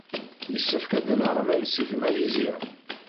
Yessefk ad naɣ aman seg Malizya.